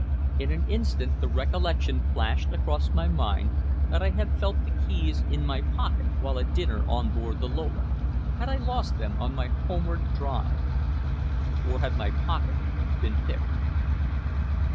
In an instant the recollection flashed across my mind that I had felt the keys in my pocket while at dinner on board the Lola. Had I lost them on my homeward drive, or had my pocket been picked?